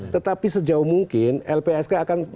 tetapi sejauh mungkin lpsk akan